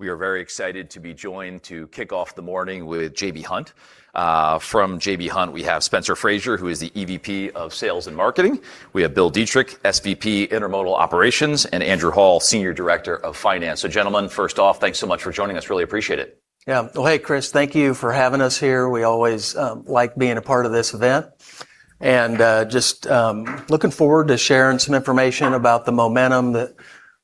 We are very excited to be joined to kick off the morning with J.B. Hunt. From J.B. Hunt, we have Spencer Frazier, who is the Executive Vice President of Sales and Marketing. We have Bill Dietrich, Senior Vice President, Intermodal Operations, and Andrew Hall, Senior Director of Finance. Gentlemen, first off, thanks so much for joining us. Really appreciate it. Yeah. Well, hey, Chris, thank you for having us here. We always like being a part of this event, and just looking forward to sharing some information about the momentum that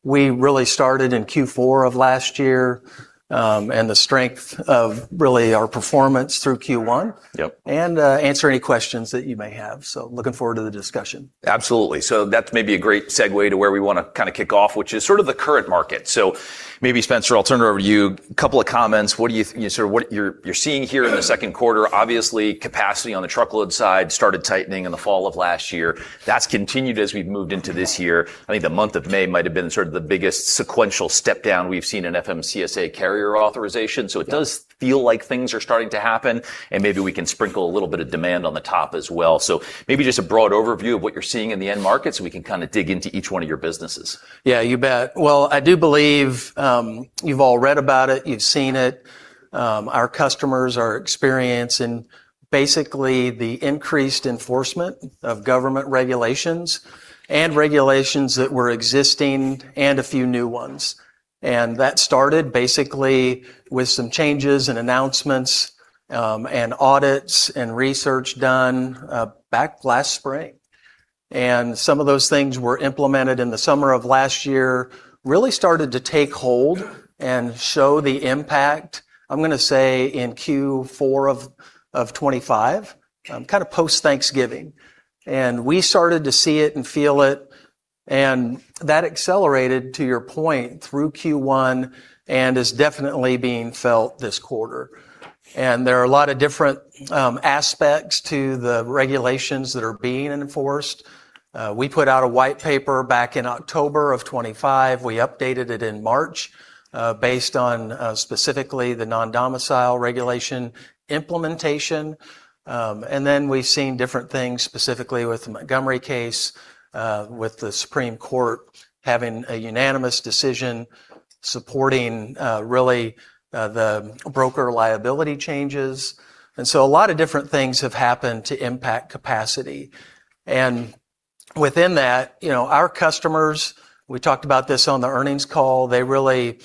we really started in Q4 of last year, and the strength of our performance through Q1. Yep. Answer any questions that you may have. Looking forward to the discussion. Absolutely. That may be a great segue to where we want to kind of kick off, which is sort of the current market. Maybe, Spencer, I'll turn it over to you. A couple of comments, what you're seeing here in the second quarter. Obviously, capacity on the truckload side started tightening in the fall of last year. That's continued as we've moved into this year. I think the month of May might have been sort of the biggest sequential step down we've seen in FMCSA carrier authorization. Yeah. It does feel like things are starting to happen, Maybe we can sprinkle a little bit of demand on the top as well. Maybe just a broad overview of what you're seeing in the end market, so we can kind of dig into each one of your businesses. Yeah, you bet. I do believe, you've all read about it, you've seen it. Our customers are experiencing basically the increased enforcement of government regulations that were existing, and a few new ones. That started basically with some changes and announcements, and audits and research done back last spring. Some of those things were implemented in the summer of last year, really started to take hold and show the impact, I'm going to say in Q4 of 2025, kind of post-Thanksgiving. We started to see it and feel it, and that accelerated, to your point, through Q1, and is definitely being felt this quarter. There are a lot of different aspects to the regulations that are being enforced. We put out a white paper back in October of 2025. We updated it in March, based on specifically the non-domicile regulation implementation. Then we've seen different things specifically with the Montgomery case, with the Supreme Court having a unanimous decision supporting the broker liability changes. So a lot of different things have happened to impact capacity. Within that, our customers, we talked about this on the earnings call, they really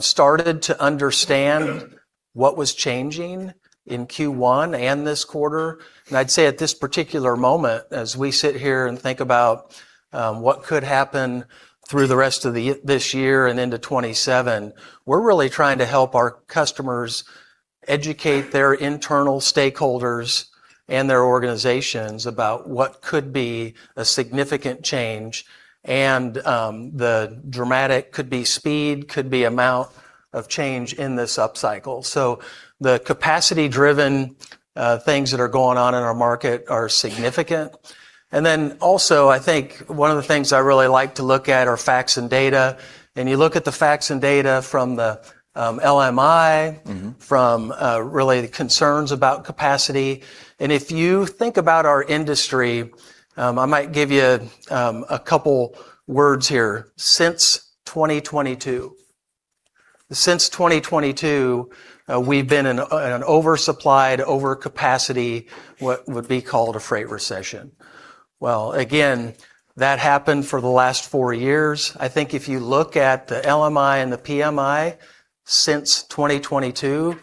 started to understand what was changing in Q1 and this quarter. I'd say at this particular moment, as we sit here and think about what could happen through the rest of this year and into 2027, we're really trying to help our customers educate their internal stakeholders and their organizations about what could be a significant change and the dramatic could be speed, could be amount of change in this upcycle. The capacity-driven things that are going on in our market are significant. Then also, I think one of the things I really like to look at are facts and data. You look at the facts and data from the LMI, from really the concerns about capacity. If you think about our industry, I might give you a couple words here. Since 2022, we've been in an oversupplied, over capacity, what would be called a freight recession. Again, that happened for the last four years. I think if you look at the LMI and the PMI since 2022,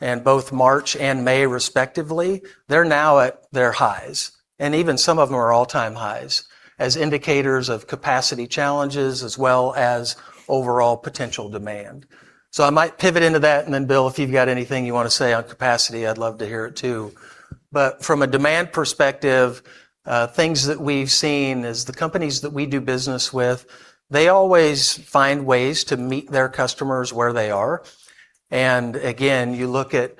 and both March and May respectively, they're now at their highs. Even some of them are all-time highs as indicators of capacity challenges as well as overall potential demand. I might pivot into that, and then Bill, if you've got anything you want to say on capacity, I'd love to hear it too. From a demand perspective, things that we've seen is the companies that we do business with, they always find ways to meet their customers where they are. Again, you look at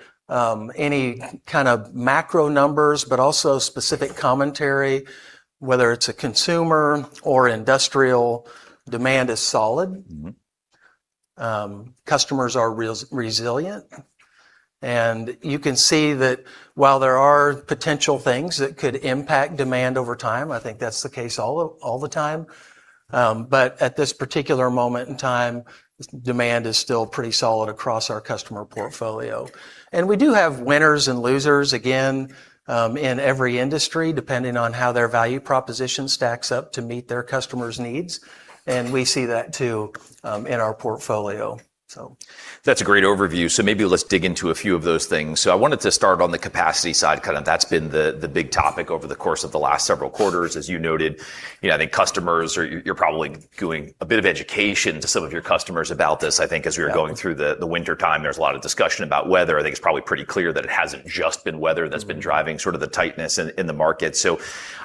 any kind of macro numbers, but also specific commentary, whether it's a consumer or industrial, demand is solid. Customers are resilient. You can see that while there are potential things that could impact demand over time, I think that's the case all the time. At this particular moment in time, demand is still pretty solid across our customer portfolio. We do have winners and losers, again, in every industry, depending on how their value proposition stacks up to meet their customers' needs. We see that too in our portfolio. That's a great overview. Maybe let's dig into a few of those things. I wanted to start on the capacity side. That's been the big topic over the course of the last several quarters. As you noted, I think you're probably doing a bit of education to some of your customers about this. I think as we were going through the wintertime, there was a lot of discussion about weather. I think it's probably pretty clear that it hasn't just been weather that's been driving sort of the tightness in the market.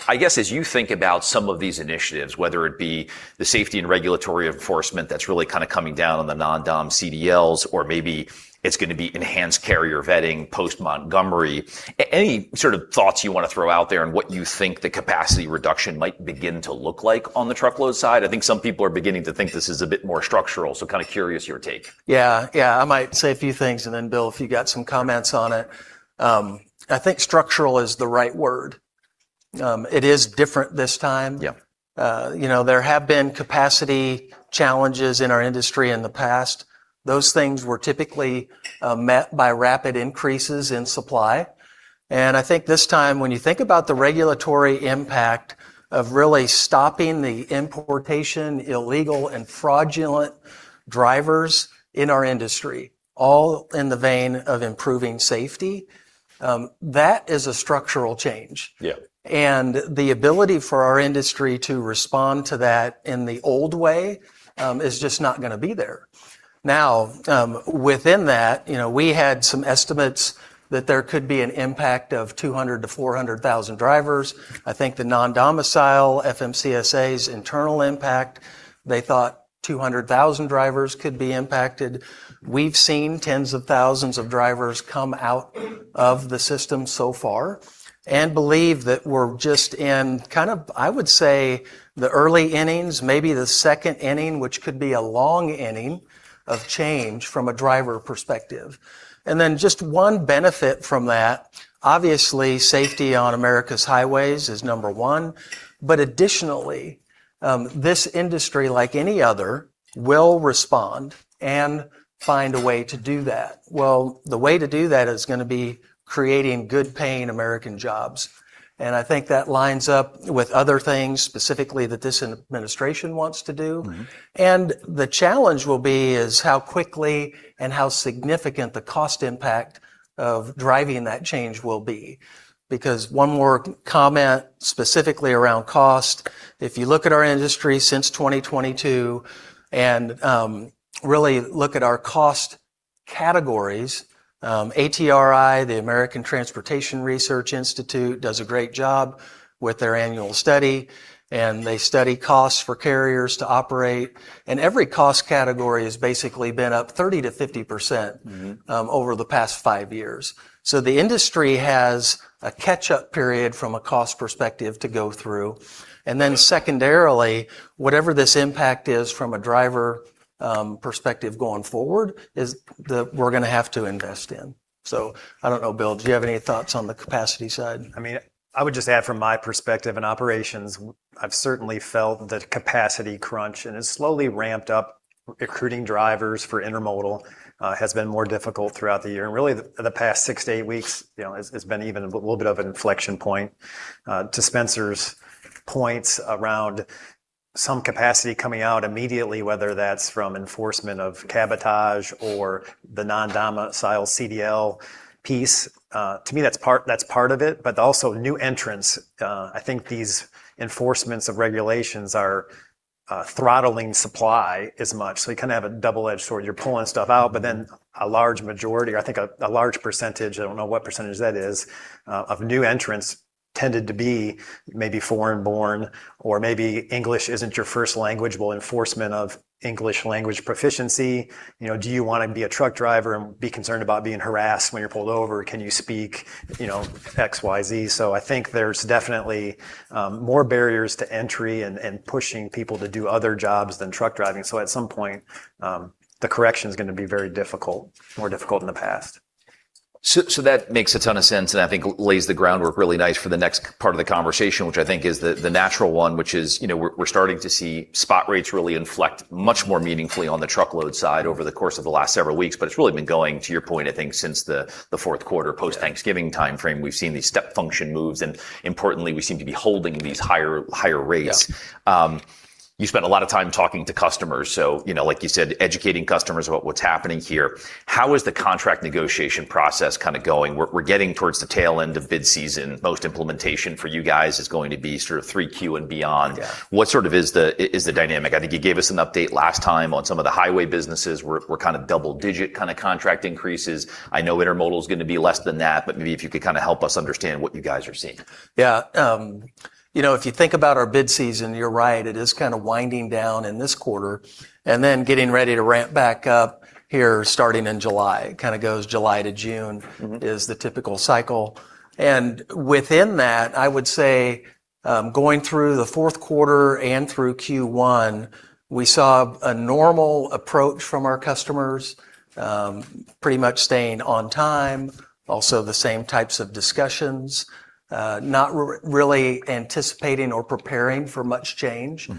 I guess as you think about some of these initiatives, whether it be the safety and regulatory enforcement that's really kind of coming down on the non-dom CDLs, or maybe it's going to be enhanced carrier vetting post-Montgomery. Any sort of thoughts you want to throw out there on what you think the capacity reduction might begin to look like on the truckload side? I think some people are beginning to think this is a bit more structural, so kind of curious your take. Yeah. I might say a few things, and then Bill, if you've got some comments on it. I think structural is the right word. It is different this time. Yeah. There have been capacity challenges in our industry in the past. Those things were typically met by rapid increases in supply. I think this time, when you think about the regulatory impact of really stopping the importation, illegal and fraudulent drivers in our industry, all in the vein of improving safety, that is a structural change. Yeah. The ability for our industry to respond to that in the old way is just not going to be there. Now, within that, we had some estimates that there could be an impact of 200,000-400,000 drivers. I think the non-domicile FMCSA's internal impact, they thought 200,000 drivers could be impacted. We've seen tens of thousands of drivers come out of the system so far and believe that we're just in, I would say, the early innings, maybe the second inning, which could be a long inning of change from a driver perspective. Then just one benefit from that, obviously, safety on America's highways is number one. Additionally, this industry, like any other, will respond and find a way to do that. The way to do that is going to be creating good-paying American jobs, and I think that lines up with other things, specifically that this Administration wants to do. The challenge will be is how quickly and how significant the cost impact of driving that change will be. One more comment, specifically around cost. If you look at our industry since 2022, and really look at our cost categories, ATRI, the American Transportation Research Institute, does a great job with their annual study, and they study costs for carriers to operate. Every cost category has basically been up 30%-50%. Over the past five years, the industry has a catch-up period from a cost perspective to go through. Secondarily, whatever this impact is from a driver perspective going forward is that we're going to have to invest in. I don't know, Bill, do you have any thoughts on the capacity side? I would just add from my perspective in operations, I've certainly felt the capacity crunch, and it's slowly ramped up. Recruiting drivers for intermodal has been more difficult throughout the year. Really, the past six to eight weeks, has been even a little bit of an inflection point. To Spencer's points around some capacity coming out immediately, whether that's from enforcement of cabotage or the non-domicile CDL piece, to me, that's part of it. Also new entrants. I think these enforcements of regulations are throttling supply as much. You kind of have a double-edged sword. You're pulling stuff out, but then a large majority or I think a large percentage, I don't know what percentage that is, of new entrants tended to be maybe foreign born or maybe English isn't your first language. Enforcement of English Language Proficiency. Do you want to be a truck driver and be concerned about being harassed when you're pulled over? Can you speak XYZ? I think there's definitely more barriers to entry and pushing people to do other jobs than truck driving. At some point, the correction's going to be very difficult, more difficult than the past. That makes a ton of sense, and I think lays the groundwork really nice for the next part of the conversation, which I think is the natural one, which is we're starting to see spot rates really inflect much more meaningfully on the truckload side over the course of the last several weeks. It's really been going, to your point, I think, since the fourth quarter post-Thanksgiving timeframe. We've seen these step function moves, and importantly, we seem to be holding these higher rates. Yeah. You spent a lot of time talking to customers, so like you said, educating customers about what's happening here. How is the contract negotiation process kind of going? We're getting towards the tail end of bid season. Most implementation for you guys is going to be sort of 3Q and beyond. Yeah. What sort of is the dynamic? I think you gave us an update last time on some of the highway businesses, were kind of double-digit contract increases. I know intermodal is going to be less than that, but maybe if you could kind of help us understand what you guys are seeing. Yeah. If you think about our bid season, you're right. It is kind of winding down in this quarter and then getting ready to ramp back up here starting in July. It kind of goes July to June is the typical cycle. Within that, I would say going through the fourth quarter and through Q1, we saw a normal approach from our customers. Pretty much staying on time. Also, the same types of discussions. Not really anticipating or preparing for much change.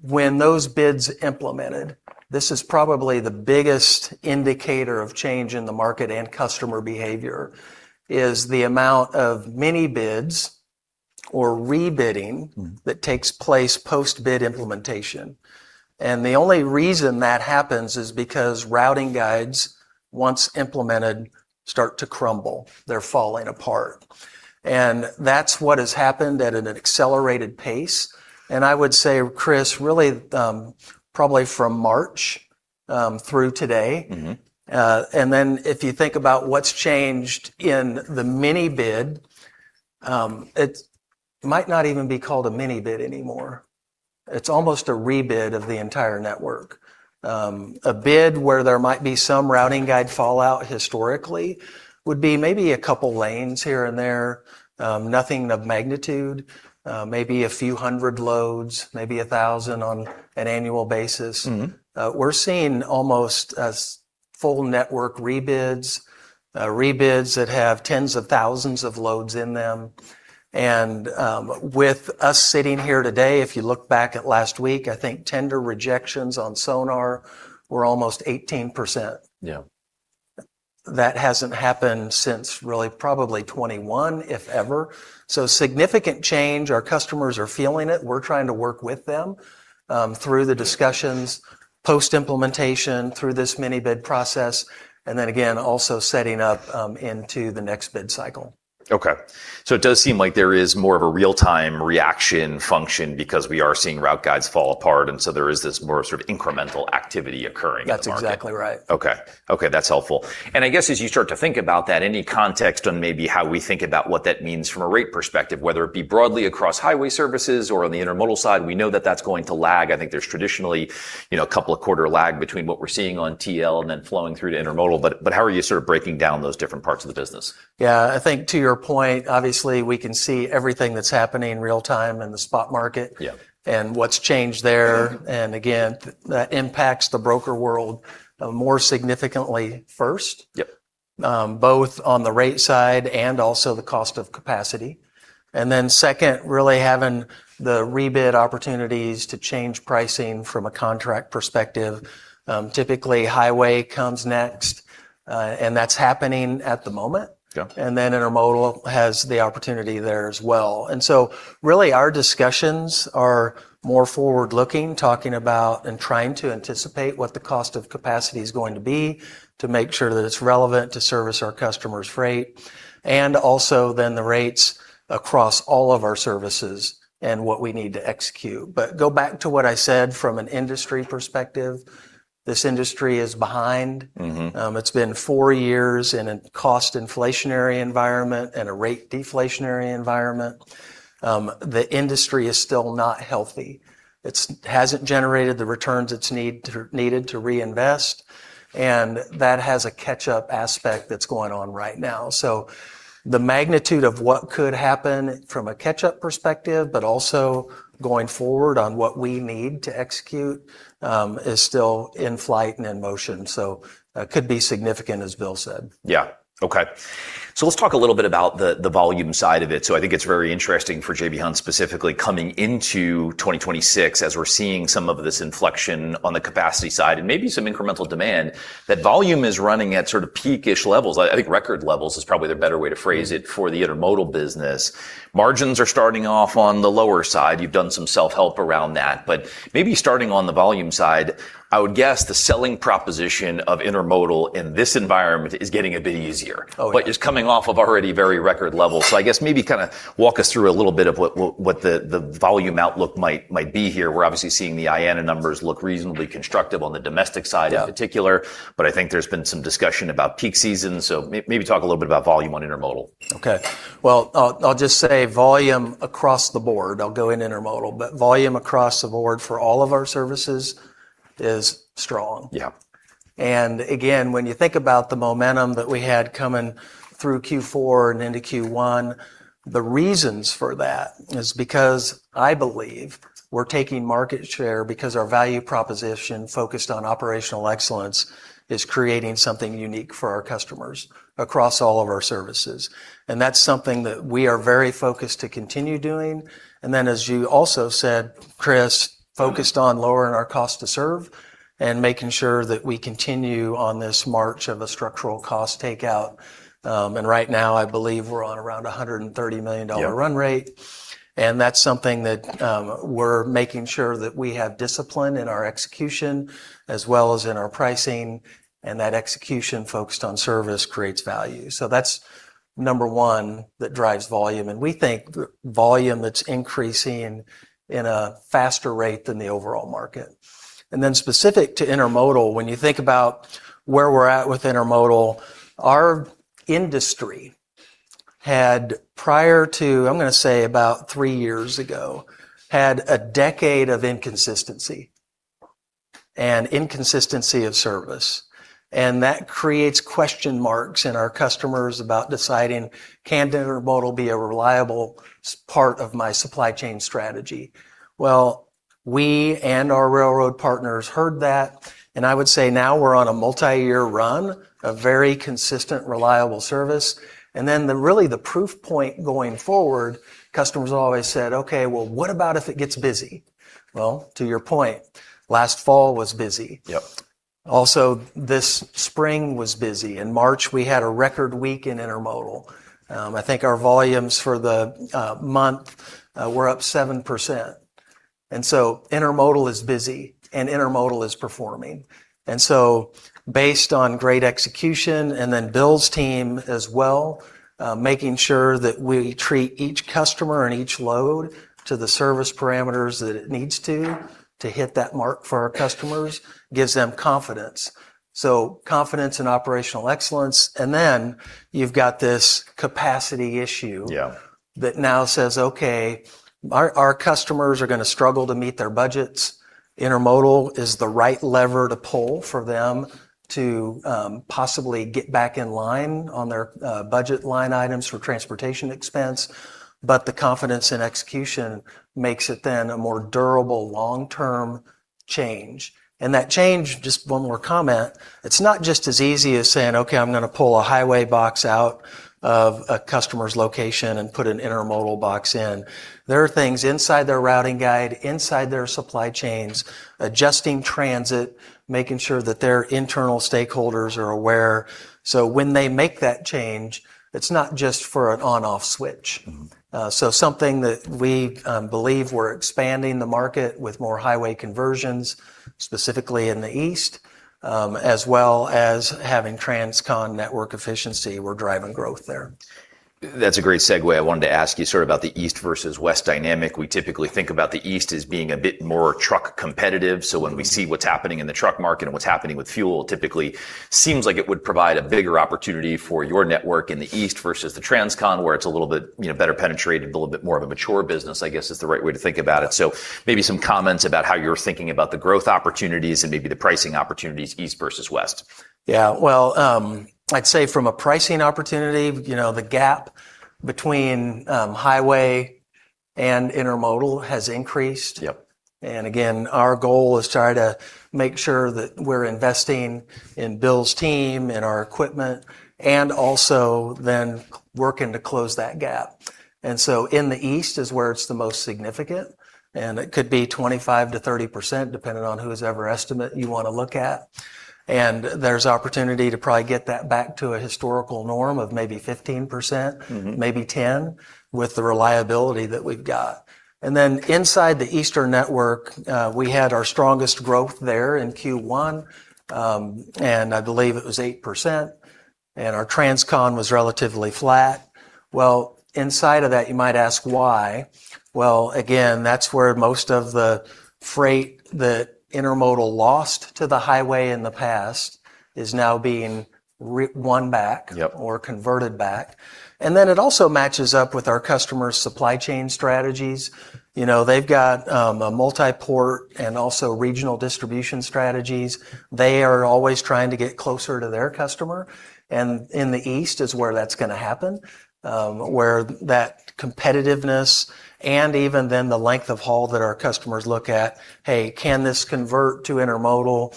When those bids implemented, this is probably the biggest indicator of change in the market and customer behavior, is the amount of mini-bids or rebidding that takes place post-bid implementation. The only reason that happens is because routing guides, once implemented, start to crumble. They're falling apart. That's what has happened at an accelerated pace, and I would say, Chris, really, probably from March through today. If you think about what's changed in the mini-bid, it might not even be called a mini-bid anymore. It's almost a rebid of the entire network. A bid where there might be some routing guide fallout historically would be maybe a couple lanes here and there. Nothing of magnitude. Maybe a few hundred loads, maybe 1,000 on an annual basis. We're seeing almost Full network rebids that have tens of thousands of loads in them. With us sitting here today, if you look back at last week, I think tender rejections on SONAR were almost 18%. Yeah. That hasn't happened since really probably 2021, if ever. Significant change. Our customers are feeling it. We're trying to work with them through the discussions post-implementation, through this mini-bid process, and then again, also setting up into the next bid cycle. It does seem like there is more of a real-time reaction function because we are seeing routing guides fall apart, there is this more sort of incremental activity occurring in the market. That's exactly right. Okay. That's helpful. I guess as you start to think about that, any context on maybe how we think about what that means from a rate perspective, whether it be broadly across highway services or on the intermodal side? We know that that's going to lag. I think there's traditionally a couple of quarter lag between what we're seeing on TL and then flowing through to intermodal. How are you sort of breaking down those different parts of the business? Yeah. I think to your point, obviously, we can see everything that's happening in real time in the spot market. Yeah. What's changed there, and again, that impacts the broker world more significantly first. Yep. Both on the rate side and also the cost of capacity. Second, really having the rebid opportunities to change pricing from a contract perspective. Typically, highway comes next, and that's happening at the moment. Yeah. Intermodal has the opportunity there as well. Really our discussions are more forward-looking, talking about and trying to anticipate what the cost of capacity is going to be to make sure that it's relevant to service our customers' freight. Also then the rates across all of our services and what we need to execute. Go back to what I said from an industry perspective, this industry is behind. It's been four years in a cost inflationary environment and a rate deflationary environment. The industry is still not healthy. It hasn't generated the returns it's needed to reinvest, and that has a catch-up aspect that's going on right now. The magnitude of what could happen from a catch-up perspective, but also going forward on what we need to execute, is still in flight and in motion. Could be significant, as Bill said. Let's talk a little bit about the volume side of it. I think it's very interesting for J.B. Hunt specifically coming into 2026 as we're seeing some of this inflection on the capacity side and maybe some incremental demand. That volume is running at sort of peak-ish levels. I think record levels is probably the better way to phrase it for the intermodal business. Margins are starting off on the lower side. You've done some self-help around that. Maybe starting on the volume side, I would guess the selling proposition of intermodal in this environment is getting a bit easier. Oh, yeah. It's coming off of already very record levels. I guess maybe kind of walk us through a little bit of what the volume outlook might be here. We're obviously seeing the IANA numbers look reasonably constructive on the domestic side. Yeah In particular. I think there's been some discussion about peak season. Maybe talk a little bit about volume on intermodal. Okay. Well, I'll just say volume across the board, I'll go in intermodal, but volume across the board for all of our services is strong. Yeah. Again, when you think about the momentum that we had coming through Q4 and into Q1, the reasons for that is because I believe we're taking market share because our value proposition focused on operational excellence is creating something unique for our customers across all of our services. That's something that we are very focused to continue doing, then as you also said, Chris, focused on lowering our cost to serve and making sure that we continue on this march of a structural cost takeout. Right now, I believe we're on around $130 million run rate. Yeah. That's something that we're making sure that we have discipline in our execution as well as in our pricing, that execution focused on service creates value. That's number one that drives volume. We think volume that's increasing in a faster rate than the overall market. Specific to intermodal, when you think about where we're at with intermodal, our industry had, prior to, I'm going to say about three years ago, had a decade of inconsistency and inconsistency of service, that creates question marks in our customers about deciding, "Can intermodal be a reliable part of my supply chain strategy?" We and our railroad partners heard that, I would say now we're on a multi-year run of very consistent, reliable service. Really the proof point going forward, customers always said, "What about if it gets busy?" To your point, last fall was busy. Yep. Also, this spring was busy. In March, we had a record week in intermodal. I think our volumes for the month were up 7%. Intermodal is busy, intermodal is performing. Based on great execution then Bill's team as well, making sure that we treat each customer and each load to the service parameters that it needs to hit that mark for our customers, gives them confidence. Confidence and operational excellence, then you've got this capacity issue- Yeah.... that now says, "Okay, our customers are going to struggle to meet their budgets. Intermodal is the right lever to pull for them to possibly get back in line on their budget line items for transportation expense." The confidence in execution makes it then a more durable long-term change. That change, just one more comment, it's not just as easy as saying, "Okay, I'm going to pull a highway box out of a customer's location and put an intermodal box in." There are things inside their routing guide, inside their supply chains, adjusting transit, making sure that their internal stakeholders are aware. When they make that change, it's not just for an on/off switch. Something that we believe we're expanding the market with more highway conversions, specifically in the East, as well as having transcon network efficiency, we're driving growth there. That's a great segue. I wanted to ask you sort of about the East versus West dynamic. We typically think about the East as being a bit more truck competitive. When we see what's happening in the truck market and what's happening with fuel, typically seems like it would provide a bigger opportunity for your network in the East versus the transcon, where it's a little bit better penetrated, a little bit more of a mature business, I guess, is the right way to think about it. Maybe some comments about how you're thinking about the growth opportunities and maybe the pricing opportunities East versus West. Yeah. Well, I'd say from a pricing opportunity, the gap between highway and intermodal has increased. Yep. Our goal is to try to make sure that we're investing in Bill's team and our equipment, also then working to close that gap. In the East is where it's the most significant, and it could be 25%-30%, depending on whosever estimate you want to look at. There's opportunity to probably get that back to a historical norm of maybe 15%. Maybe 10%, with the reliability that we've got. Inside the Eastern network, we had our strongest growth there in Q1, and I believe it was 8%, and our transcon was relatively flat. Inside of that, you might ask why. Again, that's where most of the freight that intermodal lost to the highway in the past is now being won back- Yep.... or converted back. It also matches up with our customers' supply chain strategies. They've got a multi-port and also regional distribution strategies. They are always trying to get closer to their customer, and in the East is where that's going to happen, where that competitiveness and even then the length of haul that our customers look at, "Hey, can this convert to intermodal?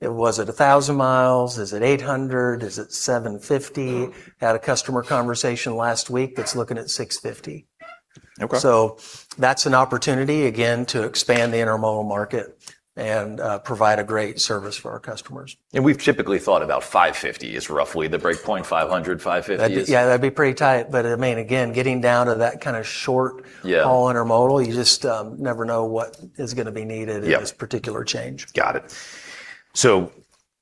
Was it 1,000 mi? Is it 800 mi? Is it 750 mi?" Had a customer conversation last week that's looking at 650 mi. Okay. That's an opportunity, again, to expand the intermodal market and provide a great service for our customers. We've typically thought about 550 mi as roughly the break point, 500 mi, 550 mi. Yeah, that'd be pretty tight. Again, getting down to that kind of short- Yeah... haul intermodal, you just never know what is going to be needed- Yeah... in this particular change. Got it.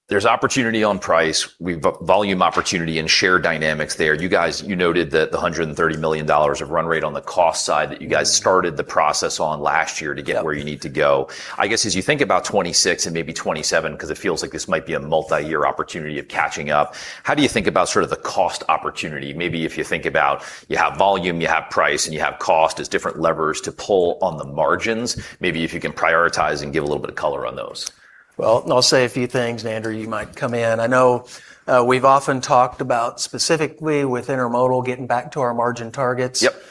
There's opportunity on price, volume opportunity and share dynamics there. You noted the $130 million of run rate on the cost side that you guys started the process on last year to get where you need to go. I guess as you think about 2026 and maybe 2027, because it feels like this might be a multi-year opportunity of catching up, how do you think about sort of the cost opportunity? Maybe if you think about you have volume, you have price, and you have cost as different levers to pull on the margins. Maybe if you can prioritize and give a little bit of color on those. I'll say a few things. Andrew, you might come in. I know we've often talked about specifically with intermodal, getting back to our margin targets. Yep.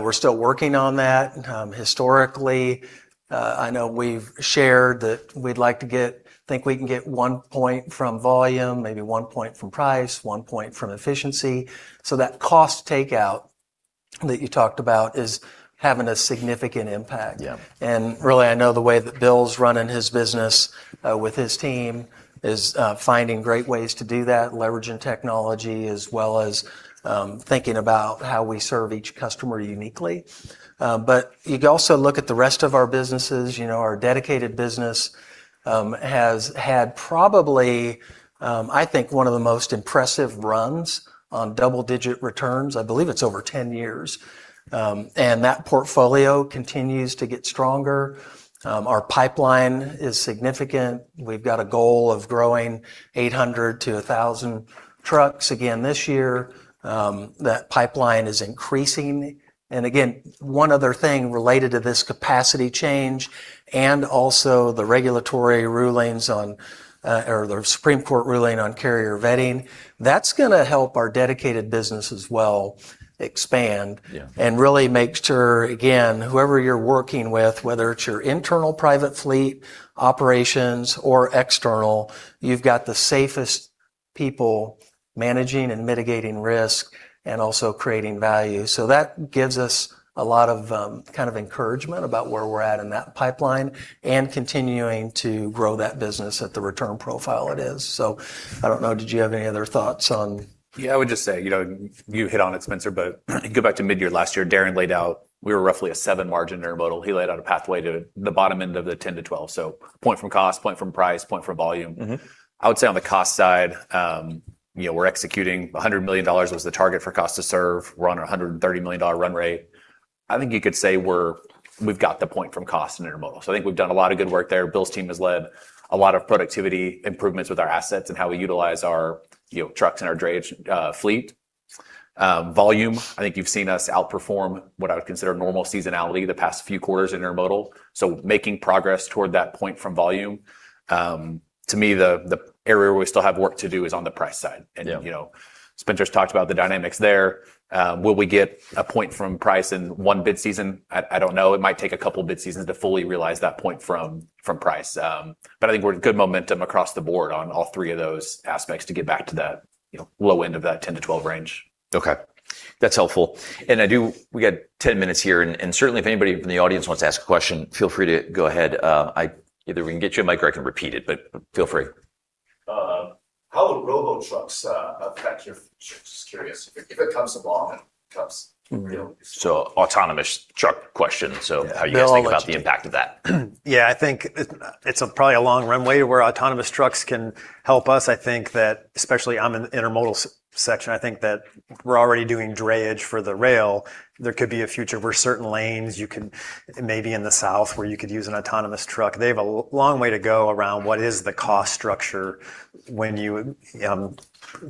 We're still working on that. Historically, I know we've shared that we'd like to think we can get one point from volume, maybe one point from price, one point from efficiency. That cost takeout that you talked about is having a significant impact. Yeah. Really, I know the way that Bill's running his business with his team is finding great ways to do that, leveraging technology, as well as thinking about how we serve each customer uniquely. You also look at the rest of our businesses. Our dedicated business has had probably, I think, one of the most impressive runs on double-digit returns. I believe it's over 10 years. That portfolio continues to get stronger. Our pipeline is significant. We've got a goal of growing 800 to 1,000 trucks again this year. That pipeline is increasing. Again, one other thing related to this capacity change and also the regulatory rulings or the U.S. Supreme Court ruling on carrier vetting, that's going to help our dedicated business as well expand. Yeah. Really make sure, again, whoever you're working with, whether it's your internal private fleet operations or external, you've got the safest people managing and mitigating risk and also creating value. That gives us a lot of kind of encouragement about where we're at in that pipeline and continuing to grow that business at the return profile it is. I don't know, did you have any other thoughts on? Yeah, I would just say, you hit on it, Spencer, but go back to mid-year last year, Darren laid out, we were roughly a seven margin intermodal. He laid out a pathway to the bottom end of the 10-12. A point from cost, point from price, point from volume. I would say on the cost side, we're executing $100 million was the target for cost to serve. We're on $130 million run rate. I think you could say we've got the point from cost in intermodal. I think we've done a lot of good work there. Bill's team has led a lot of productivity improvements with our assets and how we utilize our trucks and our drayage fleet. Volume, I think you've seen us outperform what I would consider normal seasonality the past few quarters intermodal. Making progress toward that point from volume. To me, the area where we still have work to do is on the price side. Yeah. Spencer's talked about the dynamics there. Will we get a point from price in one bid season? I don't know. It might take a couple bid seasons to fully realize that point from price. I think we're in good momentum across the board on all three of those aspects to get back to that low end of that 10-12 range. Okay. That's helpful. We got 10 minutes here, certainly if anybody from the audience wants to ask a question, feel free to go ahead. Either we can get you a mic, or I can repeat it, but feel free. How would robo-trucks affect your Just curious. If it comes along and comes real. Autonomous truck question. How you guys think- They all want to-... about the impact of that? Yeah, I think it's probably a long runway to where autonomous trucks can help us. I think that, especially on an intermodal section, I think that we're already doing drayage for the rail. There could be a future where certain lanes, maybe in the South, where you could use an autonomous truck. They have a long way to go around what is the cost structure when you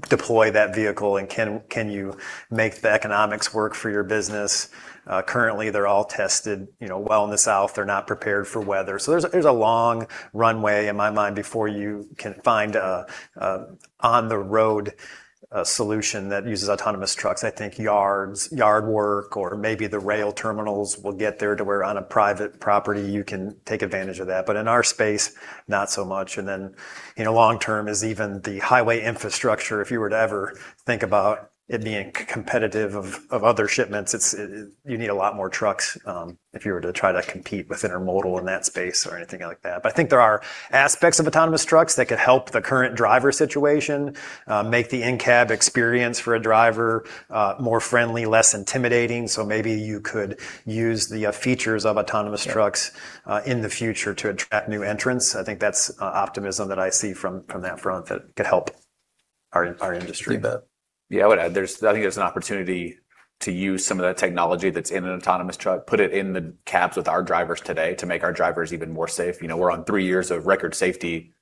deploy that vehicle, and can you make the economics work for your business? Currently, they're all tested well in the South. They're not prepared for weather. There's a long runway, in my mind, before you can find a on-the-road solution that uses autonomous trucks. I think yard work or maybe the rail terminals will get there to where on a private property you can take advantage of that. In our space, not so much. Long term is even the highway infrastructure, if you were to ever think about it being competitive of other shipments, you need a lot more trucks, if you were to try to compete with intermodal in that space or anything like that. I think there are aspects of autonomous trucks that could help the current driver situation, make the in-cab experience for a driver more friendly, less intimidating. Maybe you could use the features of autonomous trucks- Yeah.... in the future to attract new entrants. I think that's optimism that I see from that front that could help our industry. You bet. I would add, I think there's an opportunity to use some of that technology that's in an autonomous truck, put it in the cabs with our drivers today to make our drivers even more safe. We're on three years of record safety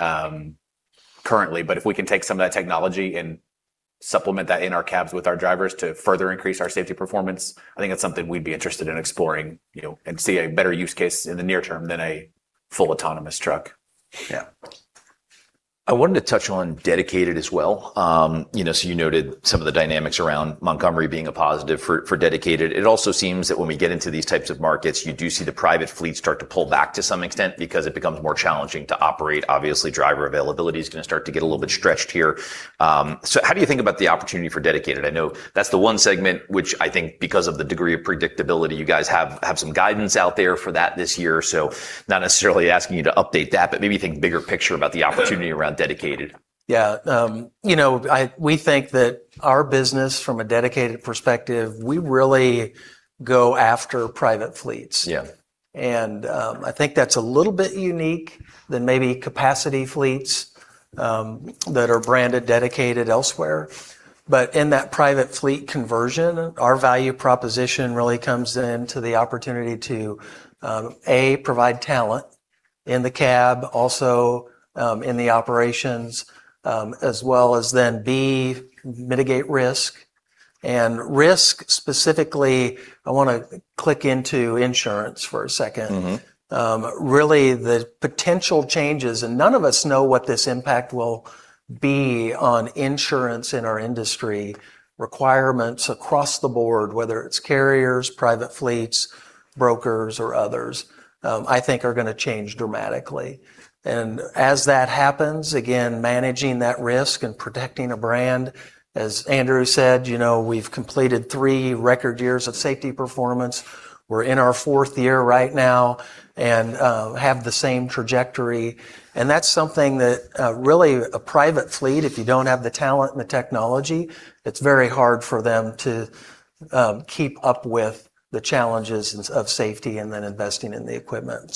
currently. If we can take some of that technology and supplement that in our cabs with our drivers to further increase our safety performance, I think that's something we'd be interested in exploring, and see a better use case in the near term than a full autonomous truck. Yeah. I wanted to touch on dedicated as well. You noted some of the dynamics around Montgomery being a positive for dedicated. It also seems that when we get into these types of markets, you do see the private fleet start to pull back to some extent because it becomes more challenging to operate. Obviously, driver availability is going to start to get a little bit stretched here. How do you think about the opportunity for dedicated? I know that's the one segment, which I think because of the degree of predictability you guys have some guidance out there for that this year. Not necessarily asking you to update that, but maybe think bigger picture about the opportunity around dedicated. We think that our business, from a dedicated perspective, we really go after private fleets. Yeah. I think that's a little bit unique than maybe capacity fleets that are branded dedicated elsewhere. In that private fleet conversion, our value proposition really comes into the opportunity to, A, provide talent in the cab, also in the operations, as well as then, B, mitigate risk. Risk specifically, I want to click into insurance for a second. Really, the potential changes, none of us know what this impact will be on insurance in our industry, requirements across the board, whether it's carriers, private fleets, brokers, or others, I think are going to change dramatically. As that happens, again, managing that risk and protecting a brand, as Andrew said, we've completed three record years of safety performance. We're in our fourth year right now and have the same trajectory, and that's something that really a private fleet, if you don't have the talent and the technology, it's very hard for them to keep up with the challenges of safety and then investing in the equipment.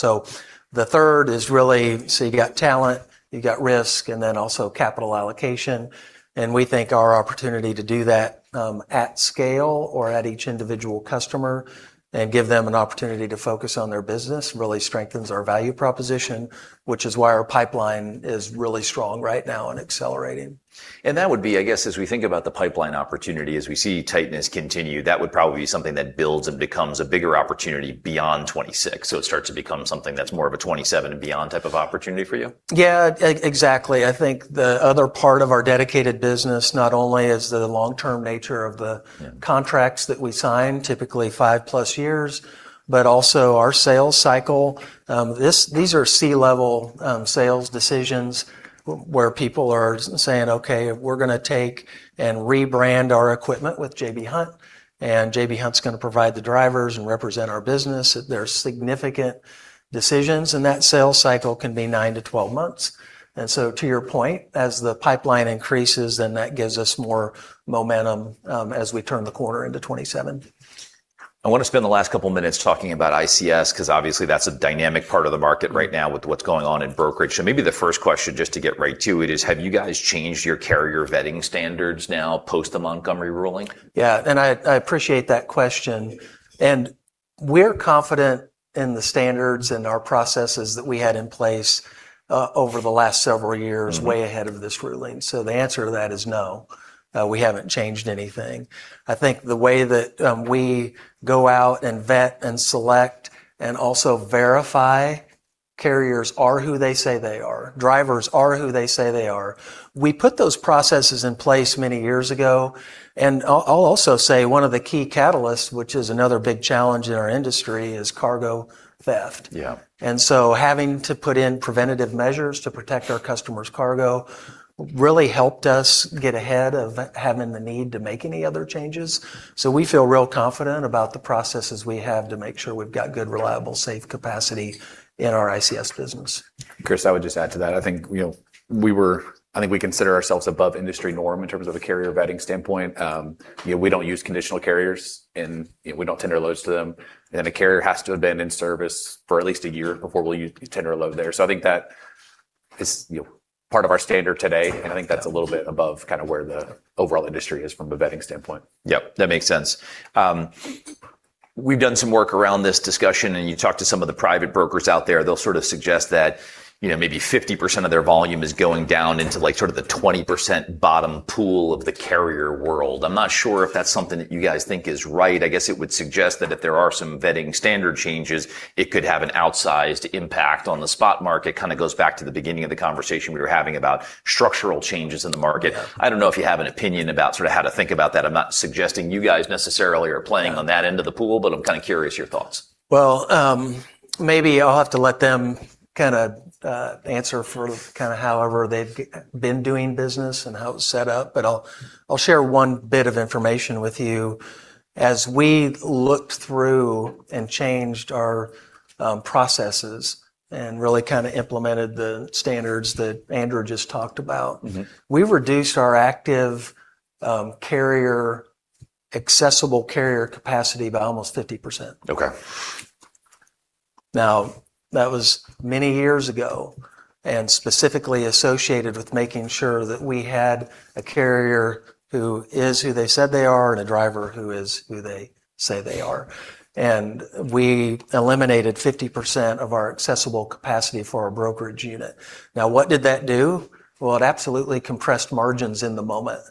The third is really, so you got talent, you got risk, then also capital allocation. We think our opportunity to do that at scale or at each individual customer and give them an opportunity to focus on their business really strengthens our value proposition, which is why our pipeline is really strong right now and accelerating. That would be, I guess, as we think about the pipeline opportunity, as we see tightness continue, that would probably be something that builds and becomes a bigger opportunity beyond 2026. It starts to become something that's more of a 2027 and beyond type of opportunity for you? Yeah, exactly. I think the other part of our dedicated business, not only is the long-term nature of the- Yeah.... contracts that we sign, typically five-plus years, but also our sales cycle. These are C-level sales decisions where people are saying, "Okay, we're going to take and rebrand our equipment with J.B. Hunt, and J.B. Hunt's going to provide the drivers and represent our business." They're significant decisions, and that sales cycle can be 9-12 months. To your point, as the pipeline increases, that gives us more momentum as we turn the corner into 2027. I want to spend the last couple minutes talking about ICS, because obviously that's a dynamic part of the market right now with what's going on in brokerage. Maybe the first question, just to get right to it, is have you guys changed your carrier vetting standards now, post the Montgomery ruling? Yeah, I appreciate that question. We're confident in the standards and our processes that we had in place over the last several years, way ahead of this ruling. The answer to that is no, we haven't changed anything. I think the way that we go out and vet and select and also verify carriers are who they say they are, drivers are who they say they are. We put those processes in place many years ago. I'll also say one of the key catalysts, which is another big challenge in our industry, is cargo theft. Yeah. Having to put in preventative measures to protect our customers' cargo really helped us get ahead of having the need to make any other changes. We feel real confident about the processes we have to make sure we've got good, reliable, safe capacity in our ICS business. Chris, I would just add to that. I think we consider ourselves above industry norm in terms of a carrier vetting standpoint. We don't use conditional carriers and we don't tender loads to them. A carrier has to have been in service for at least a year before we'll tender a load there. I think that is part of our standard today, and I think that's a little bit above where the overall industry is from a vetting standpoint. Yep. That makes sense. We've done some work around this discussion, you talk to some of the private brokers out there, they'll sort of suggest that maybe 50% of their volume is going down into sort of the 20% bottom pool of the carrier world. I'm not sure if that's something that you guys think is right. I guess it would suggest that if there are some vetting standard changes, it could have an outsized impact on the spot market. Kind of goes back to the beginning of the conversation we were having about structural changes in the market. Yeah. I don't know if you have an opinion about how to think about that. I'm not suggesting you guys necessarily are playing on that end of the pool, I'm kind of curious your thoughts. Well, maybe I'll have to let them answer for however they've been doing business and how it's set up, but I'll share one bit of information with you. As we looked through and changed our processes and really kind of implemented the standards that Andrew just talked about. We reduced our active carrier, accessible carrier capacity by almost 50%. Okay. Now, that was many years ago, and specifically associated with making sure that we had a carrier who is who they said they are, and a driver who is who they say they are. We eliminated 50% of our accessible capacity for our brokerage unit. Now, what did that do? Well, it absolutely compressed margins in the moment.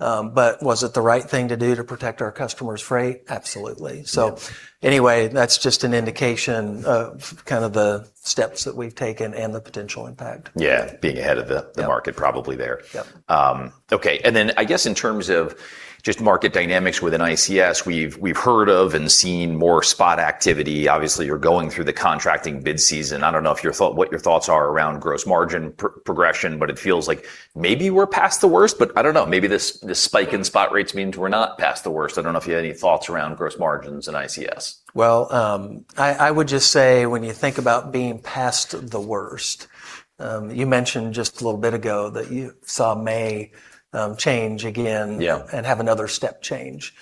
Was it the right thing to do to protect our customers' freight? Absolutely. Yeah. Anyway, that's just an indication of the steps that we've taken and the potential impact. Yeah. Being ahead of the market probably there. Yep. Okay, I guess in terms of just market dynamics within ICS, we've heard of and seen more spot activity. Obviously, you're going through the contracting bid season. I don't know what your thoughts are around gross margin progression, it feels like maybe we're past the worst, I don't know. Maybe this spike in spot rates means we're not past the worst. I don't know if you had any thoughts around gross margins and ICS. Well, I would just say when you think about being past the worst, you mentioned just a little bit ago that you saw May change again- Yeah.... have another step change.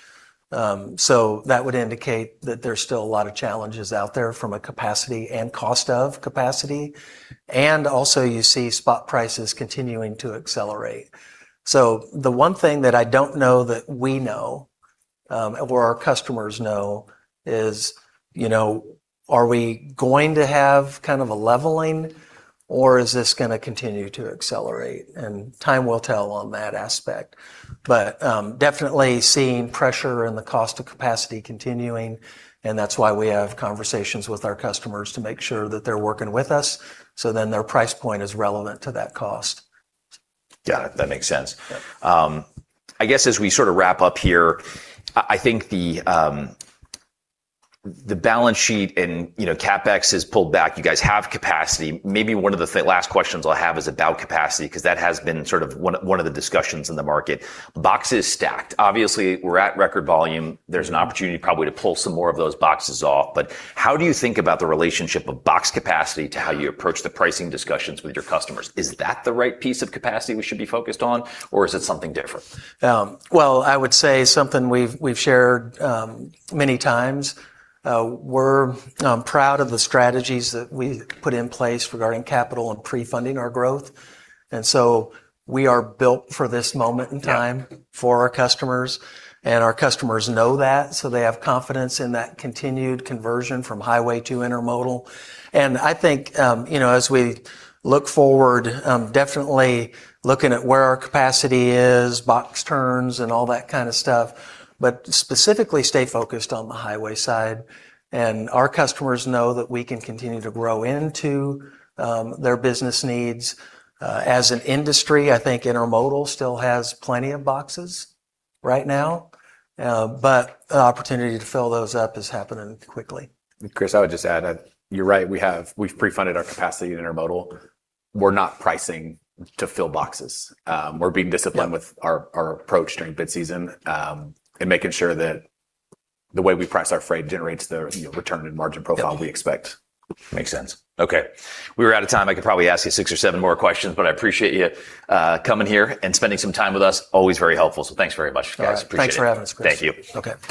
That would indicate that there's still a lot of challenges out there from a capacity and cost of capacity, you see spot prices continuing to accelerate. The one thing that I don't know that we know, or our customers know is, are we going to have a leveling or is this going to continue to accelerate? Time will tell on that aspect. Definitely seeing pressure and the cost of capacity continuing, and that's why we have conversations with our customers to make sure that they're working with us, their price point is relevant to that cost. Got it. That makes sense. Yeah. I guess as we sort of wrap up here, I think the balance sheet and CapEx has pulled back. You guys have capacity. Maybe one of the last questions I'll have is about capacity, because that has been one of the discussions in the market. Box is stacked. Obviously, we're at record volume. There's an opportunity probably to pull some more of those boxes off, but how do you think about the relationship of box capacity to how you approach the pricing discussions with your customers? Is that the right piece of capacity we should be focused on, or is it something different? Well, I would say something we've shared many times, we're proud of the strategies that we put in place regarding capital and pre-funding our growth. We are built for this moment in time. Yeah. For our customers, and our customers know that, so they have confidence in that continued conversion from highway to intermodal. I think as we look forward, definitely looking at where our capacity is, box turns, and all that kind of stuff, but specifically stay focused on the highway side. Our customers know that we can continue to grow into their business needs. As an industry, I think intermodal still has plenty of boxes right now, but an opportunity to fill those up is happening quickly. Chris, I would just add, you're right. We've pre-funded our capacity in intermodal. We're not pricing to fill boxes. We're being disciplined with our approach during bid season, and making sure that the way we price our freight generates the return and margin profile we expect. Makes sense. Okay. We are out of time. I could probably ask you six or seven more questions. I appreciate you coming here and spending some time with us. Always very helpful. Thanks very much, guys. Appreciate it. All right. Thanks for having us, Chris. Thank you. Okay.